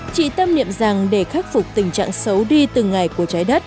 chị tâm niệm rằng để khắc phục tình trạng xấu đi từng ngày của trái đất